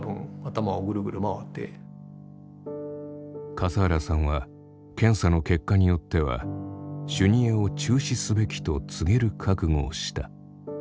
笠原さんは検査の結果によっては修二会を中止すべきと告げる覚悟をした。